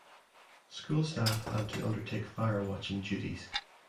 School staff had to undertake fire-watching duties.